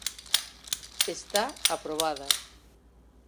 Está aprobada.